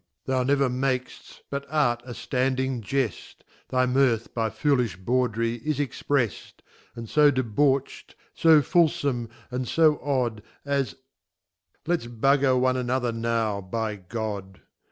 Thou never mak'ft, but art a (landing Jeft ; Thy Mirth by foolim Bawdry is exprefc ; And fo debauch'd, fo fulfome, and fo odd, As Let's Bugger one another now by C—d.